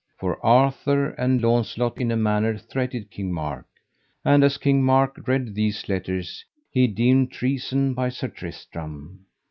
For Arthur and Launcelot in a manner threated King Mark. And as King Mark read these letters he deemed treason by Sir Tristram.